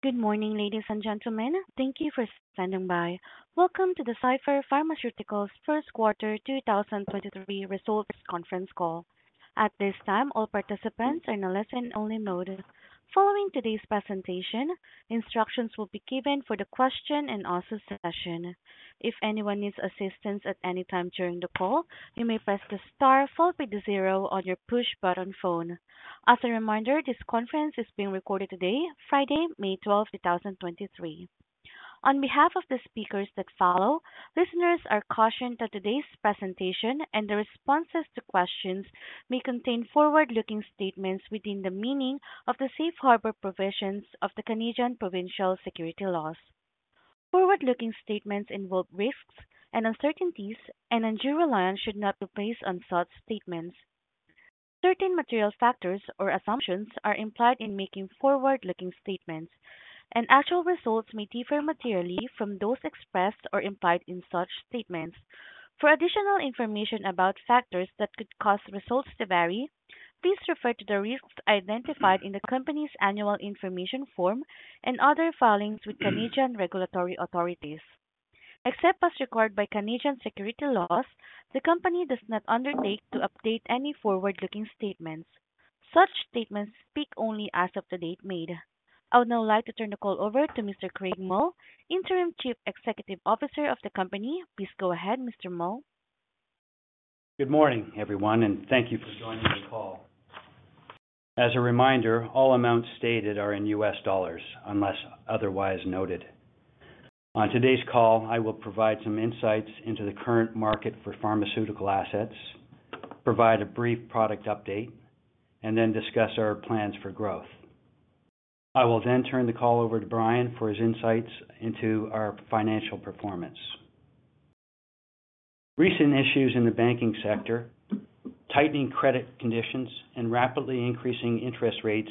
Good morning, ladies and gentlemen. Thank you for standing by. Welcome to the Cipher Pharmaceuticals first quarter 2023 results conference call. At this time, all participants are in a listen only mode. Following today's presentation, instructions will be given for the question and answer session. If anyone needs assistance at any time during the call, you may press the star followed by the zero on your push button phone. As a reminder, this conference is being recorded today, Friday, May 12, 2023. On behalf of the speakers that follow, listeners are cautioned that today's presentation and the responses to questions may contain forward-looking statements within the meaning of the safe harbor provisions of the Canadian provincial security laws. Forward-looking statements involve risks and uncertainties, and undue reliance should not be placed on such statements. Certain material factors or assumptions are implied in making forward-looking statements, and actual results may differ materially from those expressed or implied in such statements. For additional information about factors that could cause results to vary, please refer to the risks identified in the company's annual information form and other filings with Canadian regulatory authorities. Except as required by Canadian security laws, the company does not undertake to update any forward-looking statements. Such statements speak only as of the date made. I would now like to turn the call over to Mr. Craig Mull, Interim Chief Executive Officer of the company. Please go ahead, Mr. Mull. Good morning, everyone, thank you for joining the call. As a reminder, all amounts stated are in US dollars unless otherwise noted. On today's call, I will provide some insights into the current market for pharmaceutical assets, provide a brief product update, discuss our plans for growth. I will turn the call over to Bryan for his insights into our financial performance. Recent issues in the banking sector, tightening credit conditions, and rapidly increasing interest rates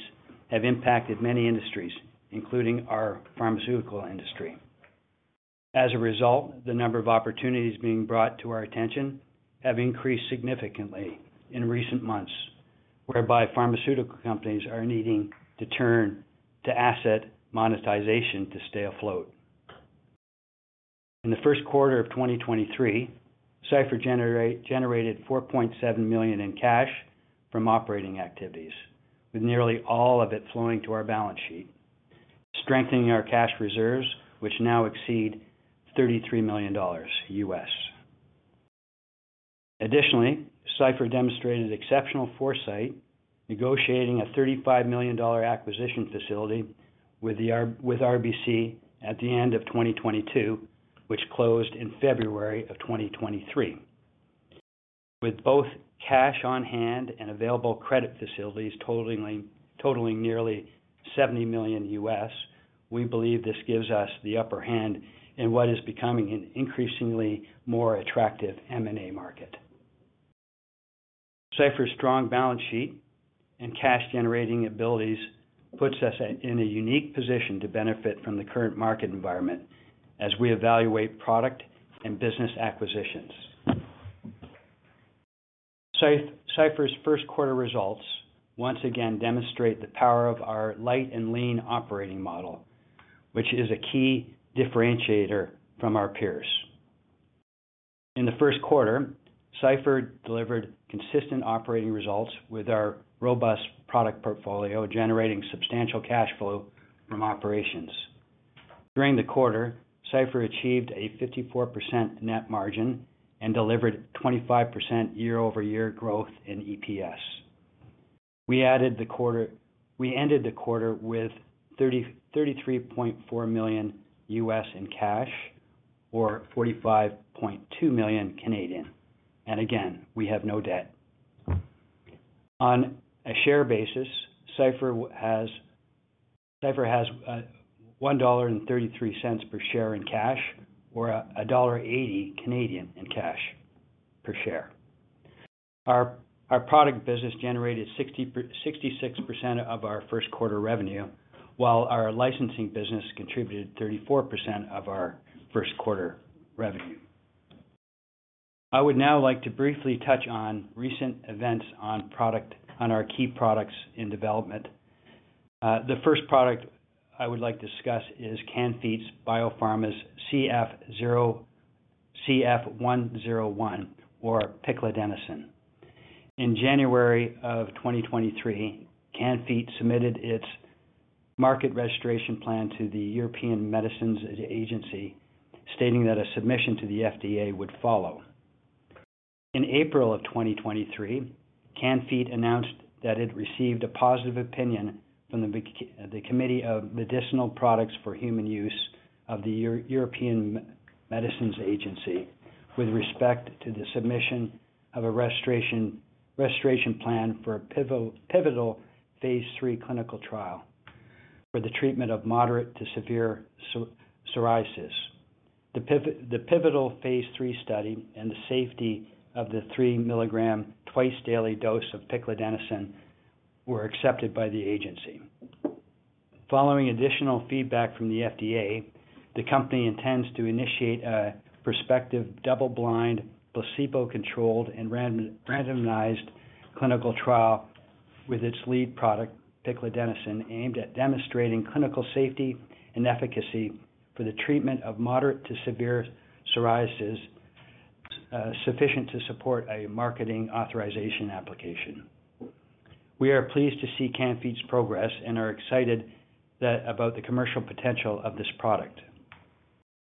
have impacted many industries, including our pharmaceutical industry. As a result, the number of opportunities being brought to our attention have increased significantly in recent months, whereby pharmaceutical companies are needing to turn to asset monetization to stay afloat. In the first quarter of 2023, Cipher generated $47 million in cash from operating activities, with nearly all of it flowing to our balance sheet, strengthening our cash reserves, which now exceed $33 million. Additionally, Cipher demonstrated exceptional foresight, negotiating a $35 million acquisition facility with RBC at the end of 2022, which closed in February of 2023. With both cash on hand and available credit facilities totaling nearly $70 million, we believe this gives us the upper hand in what is becoming an increasingly more attractive M&A market. Cipher's strong balance sheet and cash generating abilities puts us in a unique position to benefit from the current market environment as we evaluate product and business acquisitions. Cipher's first quarter results once again demonstrate the power of our light and lean operating model, which is a key differentiator from our peers. In the first quarter, Cipher delivered consistent operating results with our robust product portfolio, generating substantial cash flow from operations. During the quarter, Cipher achieved a 54% net margin and delivered 25% year-over-year growth in EPS. We ended the quarter with $33.4 million in cash, or 45.2 million. Again, we have no debt. On a share basis, Cipher has $1.33 per share in cash or 1.80 Canadian dollars in cash per share. Our product business generated 66% of our first quarter revenue, while our licensing business contributed 34% of our first quarter revenue. I would now like to briefly touch on recent events on our key products in development. The first product I would like to discuss is Can-Fite BioPharma's CF-101 or Piclidenoson. In January of 2023, Can-Fite submitted its market registration plan to the European Medicines Agency, stating that a submission to the FDA would follow. In April of 2023, Can-Fite announced that it received a positive opinion from the Committee for Medicinal Products for Human Use of the European Medicines Agency with respect to the submission of a restoration plan for a pivotal phase III clinical trial for the treatment of moderate to severe psoriasis. The pivotal phase III study and the safety of the 3 mg twice daily dose of Piclidenoson were accepted by the agency. Following additional feedback from the FDA, the company intends to initiate a prospective double-blind, placebo-controlled and randomized clinical trial with its lead product Piclidenoson aimed at demonstrating clinical safety and efficacy for the treatment of moderate to severe psoriasis, sufficient to support a marketing authorization application. We are pleased to see Can-Fite BioPharma's progress and are excited about the commercial potential of this product.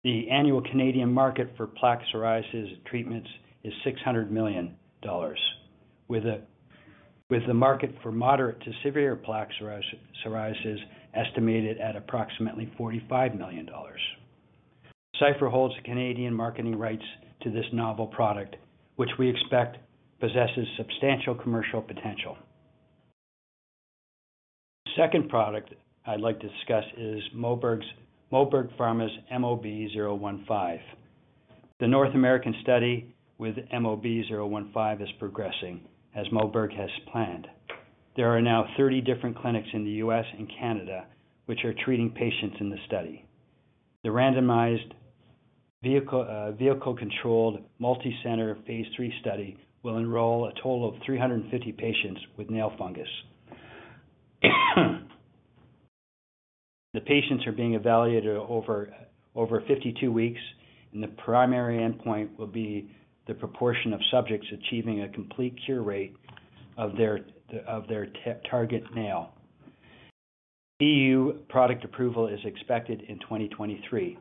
The annual Canadian market for plaque psoriasis treatments is $600 million, with the market for moderate to severe plaque psoriasis estimated at approximately $45 million. Cipher holds the Canadian marketing rights to this novel product, which we expect possesses substantial commercial potential. Second product I'd like to discuss is Moberg Pharma's MOB-015. The North American study with MOB-015 is progressing, as Moberg Pharma has planned. There are now 30 different clinics in the U.S. and Canada, which are treating patients in the study. The randomized vehicle-controlled multicenter phase III study will enroll a total of 350 patients with nail fungus. The patients are being evaluated over 52 weeks, and the primary endpoint will be the proportion of subjects achieving a complete cure rate of their target nail. EU product approval is expected in 2023.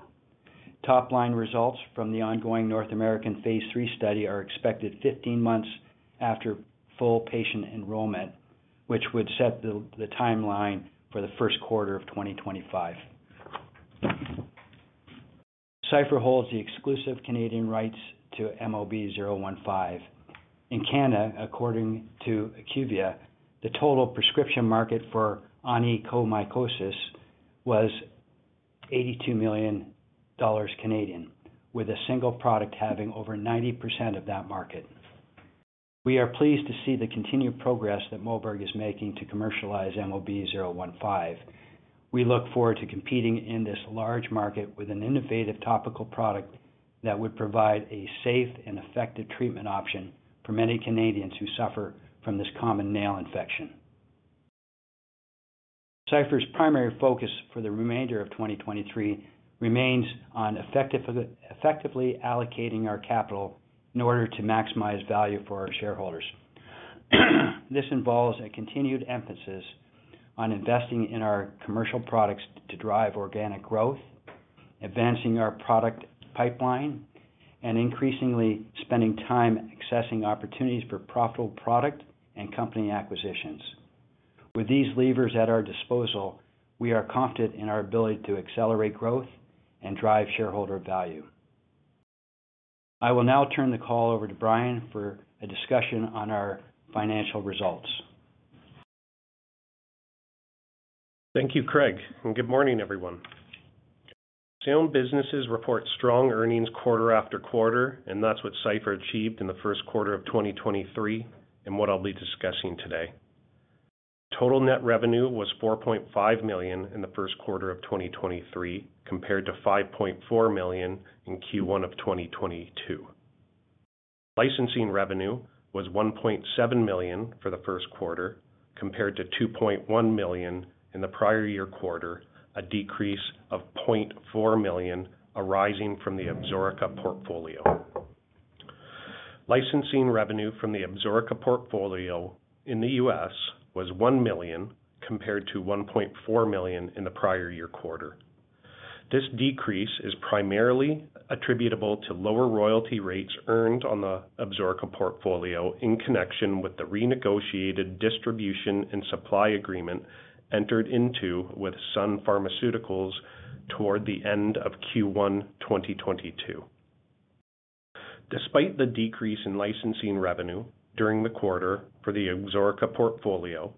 Top line results from the ongoing North American phase III study are expected 15 months after full patient enrollment, which would set the timeline for the first quarter of 2025. Cipher holds the exclusive Canadian rights to MOB-015. In Canada, according to IQVIA, the total prescription market for onychomycosis was 82 million Canadian dollars, with a single product having over 90% of that market. We are pleased to see the continued progress that Moberg is making to commercialize MOB-015. We look forward to competing in this large market with an innovative topical product that would provide a safe and effective treatment option for many Canadians who suffer from this common nail infection. Cipher's primary focus for the remainder of 2023 remains on effectively allocating our capital in order to maximize value for our shareholders. This involves a continued emphasis on investing in our commercial products to drive organic growth, advancing our product pipeline, and increasingly spending time accessing opportunities for profitable product and company acquisitions. With these levers at our disposal, we are confident in our ability to accelerate growth and drive shareholder value. I will now turn the call over to Bryan for a discussion on our financial results. Thank you, Craig. Good morning, everyone. Sound businesses report strong earnings quarter after quarter. That's what Cipher achieved in the first quarter of 2023. What I'll be discussing today. Total net revenue was $4.5 million in the first quarter of 2023, compared to $5.4 million in Q1 of 2022. Licensing revenue was $1.7 million for the first quarter, compared to $2.1 million in the prior year quarter, a decrease of $0.4 million arising from the Absorica portfolio. Licensing revenue from the Absorica portfolio in the U.S. was $1 million, compared to $1.4 million in the prior year quarter. This decrease is primarily attributable to lower royalty rates earned on the Absorica portfolio in connection with the renegotiated distribution and supply agreement entered into with Sun Pharmaceuticals toward the end of Q1 2022. Despite the decrease in licensing revenue during the quarter for the Absorica portfolio,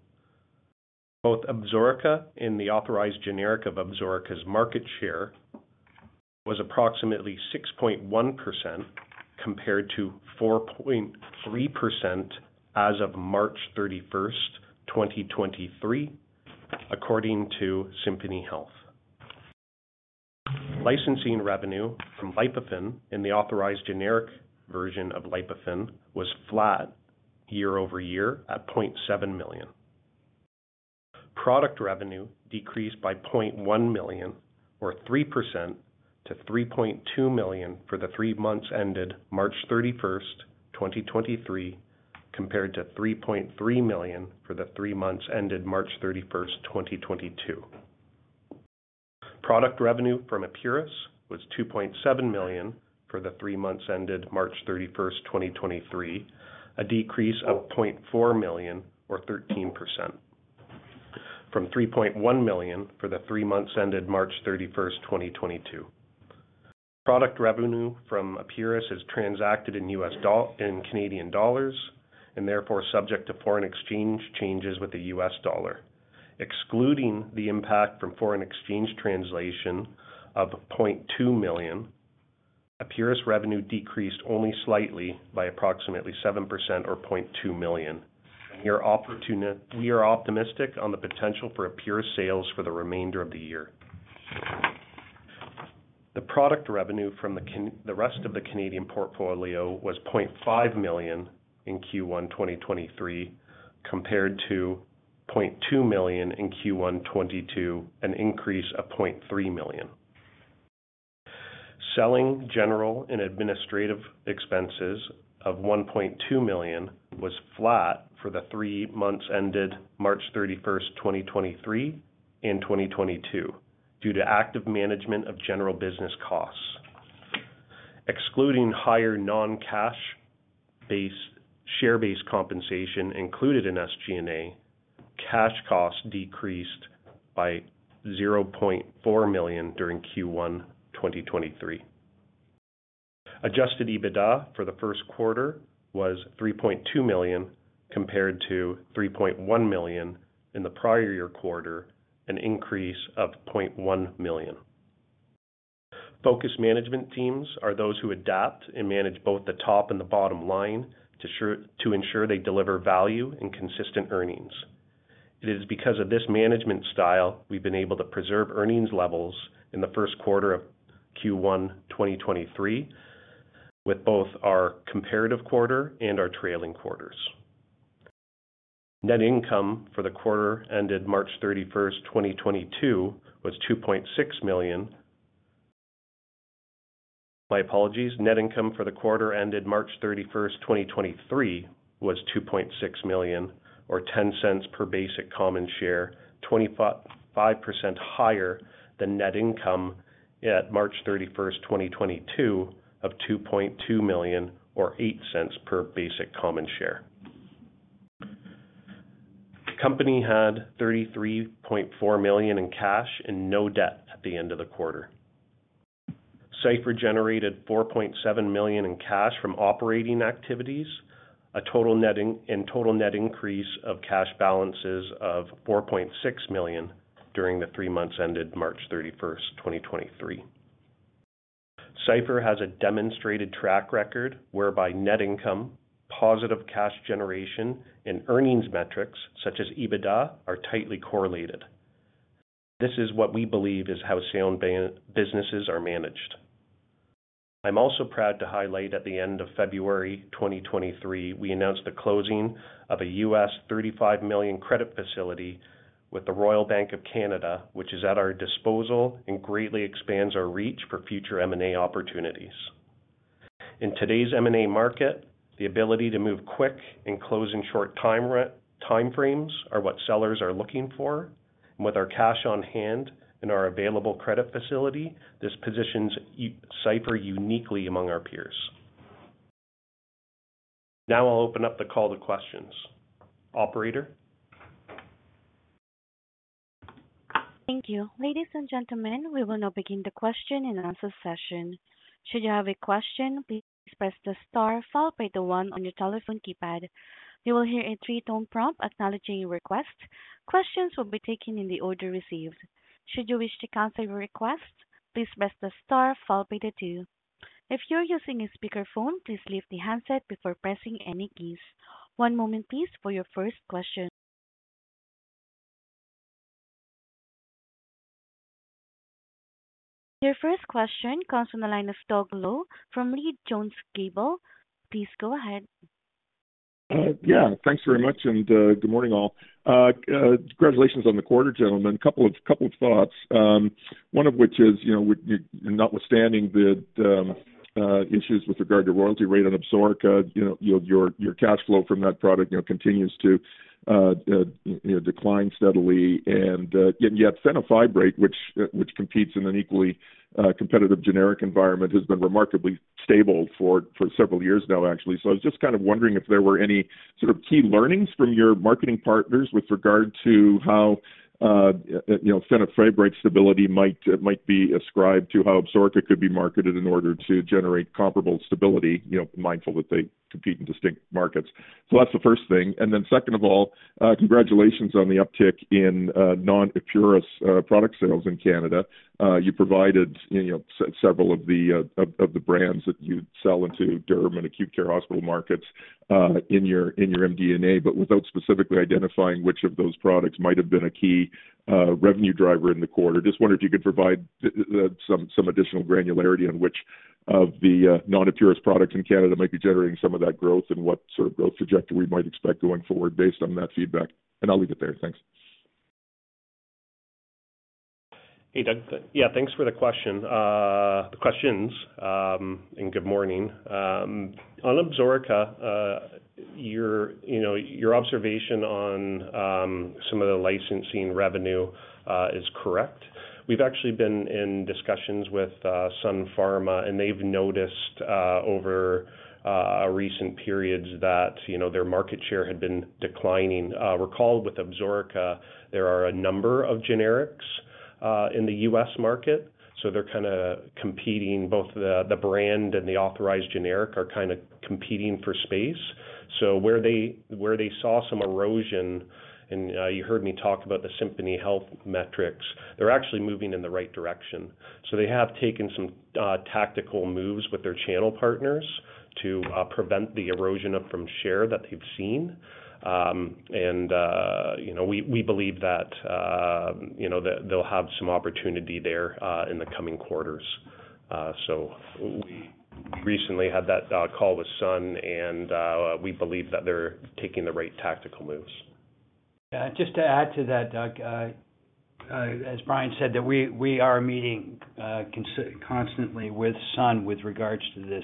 both Absorica and the authorized generic of Absorica's market share was approximately 6.1% compared to 4.3% as of March 31st, 2023, according to Symphony Health. Licensing revenue from Lipothin in the authorized generic version of Lipothin was flat year-over-year at $0.7 million. Product revenue decreased by $0.1 million or 3% to $3.2 million for the three months ended March 31st, 2023, compared to $3.3 million for the three months ended March 31st, 2022. Product revenue from Epuris was $2.7 million for the three months ended March 31st, 2023, a decrease of $0.4 million or 13% from $3.1 million for the three months ended March 31st, 2022. Product revenue from Epuris is transacted in Canadian dollars and therefore subject to foreign exchange changes with the US dollar. Excluding the impact from foreign exchange translation of $0.2 million, Epuris revenue decreased only slightly by approximately 7% or $0.2 million. We are optimistic on the potential for Epuris sales for the remainder of the year. The product revenue from the rest of the Canadian portfolio was $0.5 million in Q1 2023, compared to $0.2 million in Q1 2022, an increase of $0.3 million. Selling, General & Administrative expenses of $1.2 million was flat for the three months ended March 31st, 2023 and 2022 due to active management of general business costs. Excluding higher non-cash base, share-based compensation included in SG&A, cash costs decreased by $0.4 million during Q1 2023. Adjusted EBITDA for the first quarter was $3.2 million compared to $3.1 million in the prior year quarter, an increase of $0.1 million. Focused management teams are those who adapt and manage both the top and the bottom line to ensure they deliver value and consistent earnings. It is because of this management style we've been able to preserve earnings levels in the first quarter of Q1 2023 with both our comparative quarter and our trailing quarters. Net income for the quarter ended March 31, 2022 was $2.6 million. My apologies. Net income for the quarter ended March 31st, 2023 was $2.6 million or $0.10 per basic common share, 25% higher than net income at March 31st, 2022 of $2.2 million or $0.08 per basic common share. The company had $33.4 million in cash and no debt at the end of the quarter. Cipher generated $4.7 million in cash from operating activities, a total net increase of cash balances of $4.6 million during the three months ended March 31st, 2023. Cipher has a demonstrated track record whereby net income, positive cash generation and earnings metrics such as EBITDA are tightly correlated. This is what we believe is how sound businesses are managed. I'm also proud to highlight at the end of February 2023, we announced the closing of a $35 million credit facility with the Royal Bank of Canada, which is at our disposal and greatly expands our reach for future M&A opportunities. In today's M&A market, the ability to move quick and close in short time frames are what sellers are looking for. With our cash on hand and our available credit facility, this positions Cipher uniquely among our peers. Now I'll open up the call to questions. Operator? Thank you. Ladies and gentlemen, we will now begin the question and answer session. Should you have a question, please press the star followed by the one on your telephone keypad. You will hear a three-tone prompt acknowledging your request. Questions will be taken in the order received. Should you wish to cancel your request, please press the star followed by the two. If you're using a speakerphone, please lift the handset before pressing any keys. One moment please for your first question. Your first question comes from the line of Doug Loe from Leede Jones Gable. Please go ahead. Yeah, thanks very much and good morning, all. Congratulations on the quarter, gentlemen. A couple of thoughts, one of which is, you know, notwithstanding the issues with regard to royalty rate on Absorica, you know, your cash flow from that product, you know, continues to decline steadily. Yet fenofibrate, which competes in an equally competitive generic environment, has been remarkably stable for several years now, actually. I was just kind of wondering if there were any sort of key learnings from your marketing partners with regard to how, you know, fenofibrate stability might be ascribed to how Absorica could be marketed in order to generate comparable stability, you know, mindful that they compete in distinct markets. That's the first thing. Second of all, congratulations on the uptick in non-Epuris product sales in Canada. You provided, you know, several of the brands that you sell into derm and acute care hospital markets in your MD&A, but without specifically identifying which of those products might have been a key revenue driver in the quarter. Just wonder if you could provide some additional granularity on which of the non-Epuris products in Canada might be generating some of that growth and what sort of growth trajectory we might expect going forward based on that feedback. I'll leave it there. Thanks. Hey, Doug. Yeah, thanks for the questions. Good morning. On Absorica, your, you know, your observation on some of the licensing revenue is correct. We've actually been in discussions with Sun Pharma. They've noticed over recent periods that, you know, their market share had been declining. Recall with Absorica, there are a number of generics in the U.S. market. They're kinda competing. Both the brand and the authorized generic are kinda competing for space. Where they saw some erosion, you heard me talk about the Symphony Health metrics, they're actually moving in the right direction. They have taken some tactical moves with their channel partners to prevent the erosion up from share that they've seen. You know, we believe that, you know, they'll have some opportunity there, in the coming quarters. We recently had that call with Sun, we believe that they're taking the right tactical moves. Yeah. Just to add to that, Doug, I, as Bryan said that we are meeting constantly with Sun with regards to this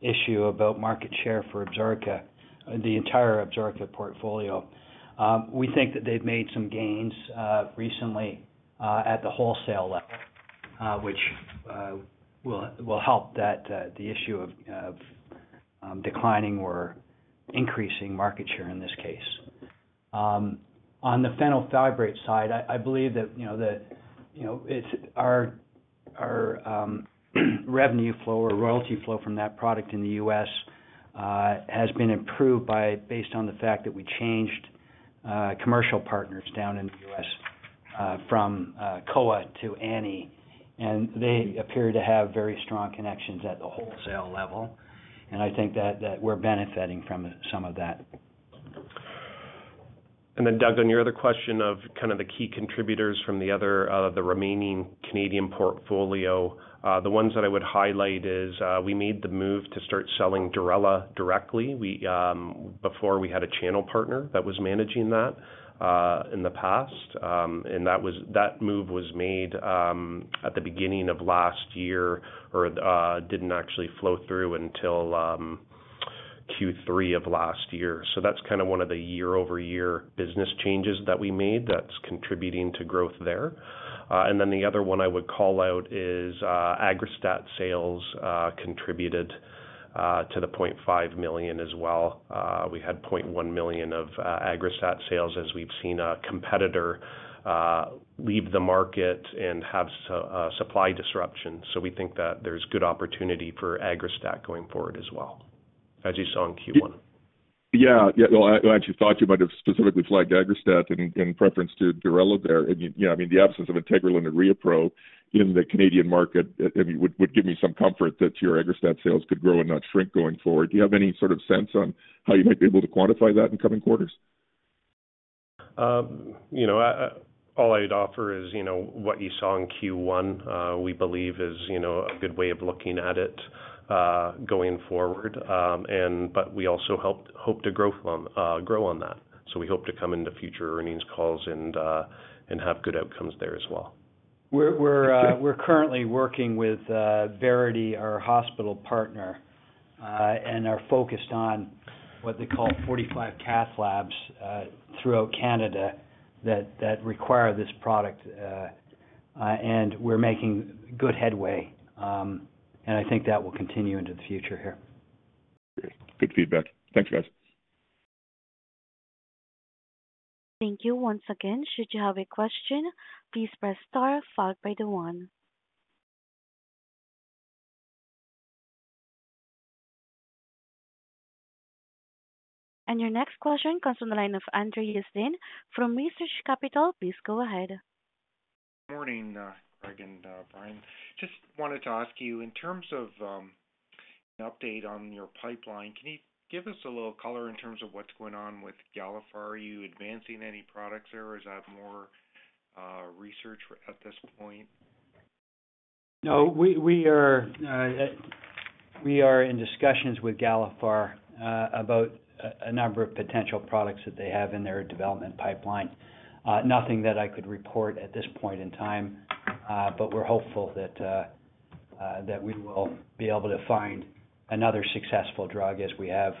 issue about market share for Absorica, the entire Absorica portfolio. We think that they've made some gains recently at the wholesale level, which will help that the issue of declining or increasing market share in this case. On the fenofibrate side, I believe that, you know, the, you know, our revenue flow or royalty flow from that product in the U.S. has been improved by based on the fact that we changed commercial partners down in the U.S. from Kowa to ANI, and they appear to have very strong connections at the wholesale level. I think that we're benefiting from some of that. Doug, on your other question of kind of the key contributors from the other, the remaining Canadian portfolio, the ones that I would highlight is, we made the move to start selling Durela directly. We, before we had a channel partner that was managing that, in the past. That was, that move was made, at the beginning of last year, or, didn't actually flow through until Q3 of last year. That's kind of one of the year-over-year business changes that we made that's contributing to growth there. Then the other one I would call out is, Aggrastat sales, contributed to the $0.5 million as well. We had $0.1 million of Aggrastat sales as we've seen a competitor leave the market and have supply disruptions. We think that there's good opportunity for Aggrastat going forward as well, as you saw in Q1. Yeah. Yeah. Well, I actually thought you might have specifically flagged Aggrastat in preference to Durela there. You know, I mean, the absence of Integrilin and ReoPro in the Canadian market, I mean, would give me some comfort that your Aggrastat sales could grow and not shrink going forward. Do you have any sort of sense on how you might be able to quantify that in coming quarters? You know, all I'd offer is, you know, what you saw in Q1, we believe is, you know, a good way of looking at it, going forward. We also grow on that. We hope to come into future earnings calls and have good outcomes there as well. We're currently working with Verity, our hospital partner, and are focused on what they call 45 cath labs throughout Canada that require this product, and we're making good headway. I think that will continue into the future here. Great. Good feedback. Thanks, guys. Thank you once again. Should you have a question, please press star followed by the one. Your next question comes from the line of Andre Uddin from Research Capital. Please go ahead. Morning, Greg and Bryan. Just wanted to ask you in terms of an update on your pipeline, can you give us a little color in terms of what's going on with Galephar? Are you advancing any products there, or is that more research at this point? No, we are in discussions with Galephar about a number of potential products that they have in their development pipeline. Nothing that I could report at this point in time, but we're hopeful that we will be able to find another successful drug as we have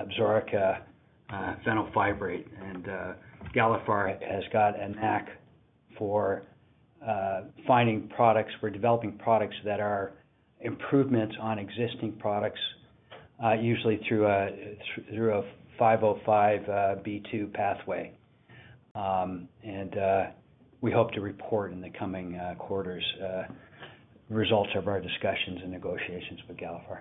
Absorica, fenofibrate. Galephar has got a knack for finding products or developing products that are improvements on existing products, usually through a 505(b)(2) pathway. We hope to report in the coming quarters results of our discussions and negotiations with Galephar.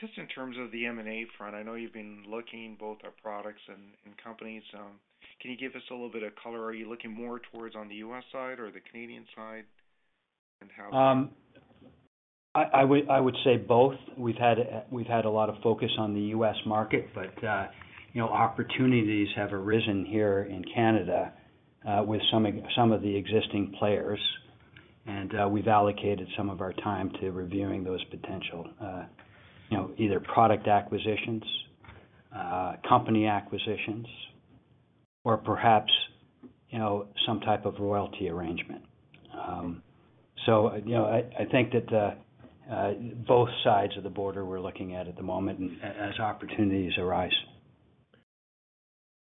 Just in terms of the M&A front, I know you've been looking both at products and companies. Can you give us a little bit of color? Are you looking more towards on the U.S. side or the Canadian side? I would say both. We've had a lot of focus on the U.S. market, but, you know, opportunities have arisen here in Canada with some of the existing players. We've allocated some of our time to reviewing those potential, you know, either product acquisitions, company acquisitions or perhaps, you know, some type of royalty arrangement. You know, I think that both sides of the border we're looking at at the moment as opportunities arise.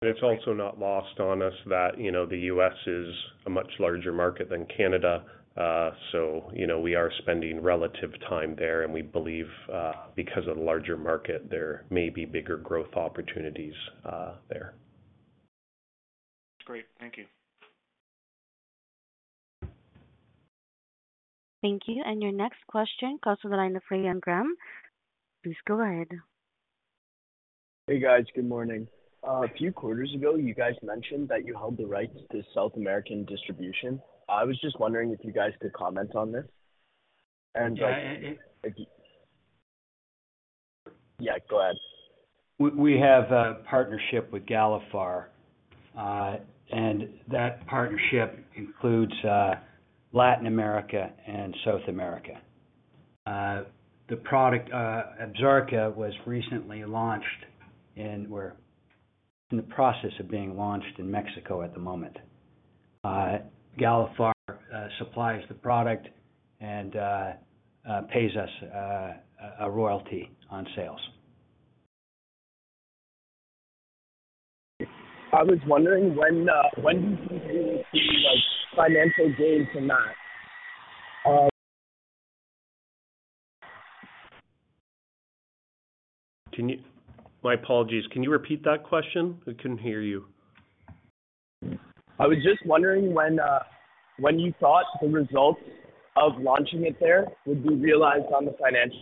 It's also not lost on us that, you know, the U.S. is a much larger market than Canada. You know, we are spending relative time there, and we believe, because of the larger market, there may be bigger growth opportunities, there. Great. Thank you. Thank you. Your next question comes from the line of [Ryan Graham]. Please go ahead. Hey guys, good morning. A few quarters ago, you guys mentioned that you held the rights to South American distribution. I was just wondering if you guys could comment on this. Yeah. Yeah, go ahead. We have a partnership with Galephar, and that partnership includes Latin America and South America. The product Absorica was recently launched and we're in the process of being launched in Mexico at the moment. Galephar supplies the product and pays us a royalty on sales. I was wondering when do you think there will be like financial gains from that? My apologies. Can you repeat that question? I couldn't hear you. I was just wondering when you thought the results of launching it there would be realized on the financial.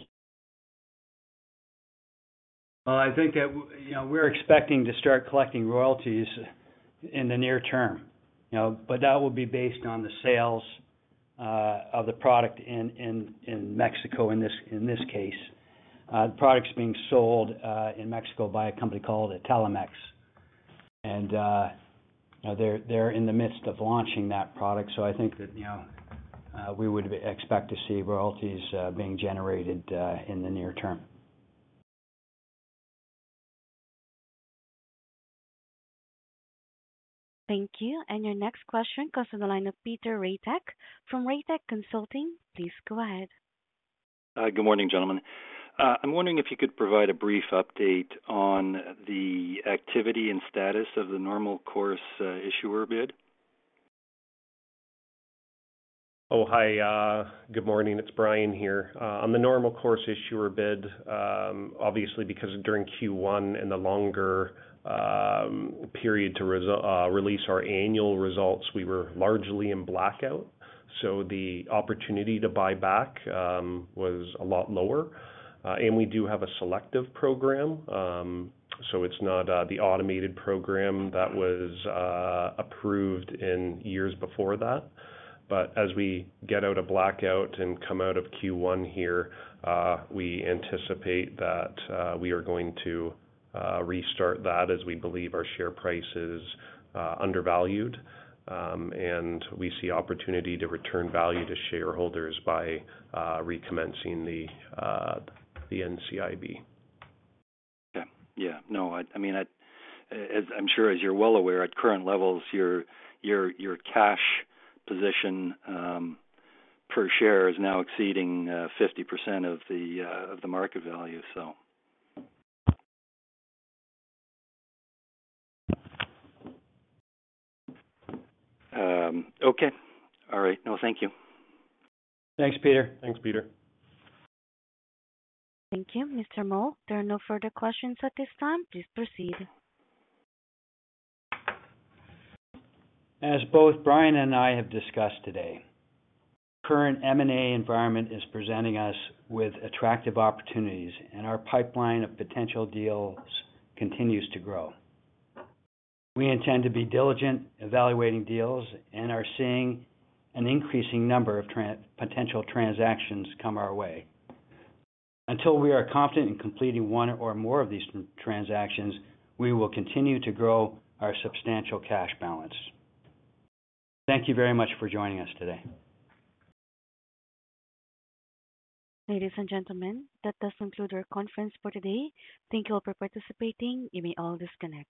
Well, I think, you know, we're expecting to start collecting royalties in the near term, you know. That will be based on the sales of the product in Mexico, in this case. Products being sold in Mexico by a company called Italmex. They're in the midst of launching that product. I think that, you know, we would expect to see royalties being generated in the near term. Thank you. Your next question goes to the line of [Peter Raytech] from [Raytech] Consulting. Please go ahead. Good morning, gentlemen. I'm wondering if you could provide a brief update on the activity and status of the Normal Course Issuer Bid? Oh, hi. Good morning. It's Bryan here. On the Normal Course Issuer Bid, obviously because during Q1 and the longer period to release our annual results, we were largely in blackout, the opportunity to buy back was a lot lower. We do have a selective program, so it's not the automated program that was approved in years before that. As we get out of blackout and come out of Q1 here, we anticipate that we are going to restart that as we believe our share price is undervalued, and we see opportunity to return value to shareholders by recommencing the NCIB. Yeah. Yeah. I mean, as I'm sure you're well aware, at current levels, your cash position per share is now exceeding 50% of the market value. Okay. All right. Thank you. Thanks, Peter. Thanks, Peter. Thank you. Mr. Mull, there are no further questions at this time. Please proceed. As both Bryan and I have discussed today, current M&A environment is presenting us with attractive opportunities, and our pipeline of potential deals continues to grow. We intend to be diligent evaluating deals and are seeing an increasing number of potential transactions come our way. Until we are confident in completing one or more of these transactions, we will continue to grow our substantial cash balance. Thank you very much for joining us today. Ladies and gentlemen, that does conclude our conference for today. Thank you all for participating. You may all disconnect.